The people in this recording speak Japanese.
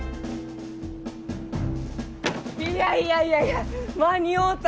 いやいやいやいや間に合うた！